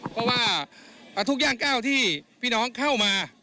เพราะว่าทุกย่างก้าวที่พี่น้องเข้ามา